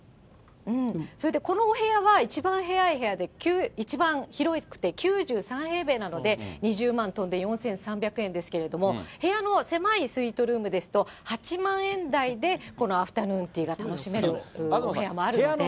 それでこのお部屋は一番広くて９３平米なので２０万とんで４３００円ですけれども、部屋の狭いスイートルームですと、８万円台でこのアフタヌーンティーが楽しめるお部屋もあるので。